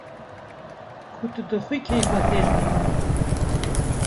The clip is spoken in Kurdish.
Ku tu dixwî keyfa te tê